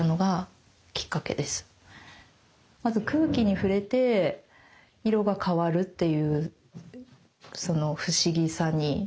まず空気に触れて色が変わるっていうその不思議さに魅了されて。